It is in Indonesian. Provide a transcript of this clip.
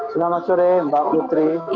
selamat sore mbak putri